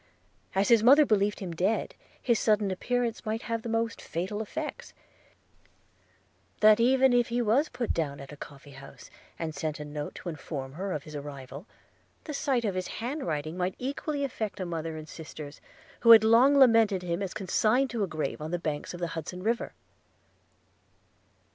As his mother believed him dead, his sudden appearance might have the most fatal effects – That even if he was put down at a coffee house, and sent a note to inform her of his arrival, the sight of his hand writing might equally affect a mother and sisters, who had long lamented him as consigned to a grave on the banks of Hudson's River.